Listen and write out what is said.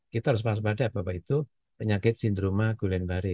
kita harus berpikir bahwa itu penyakit sindroma gulenbare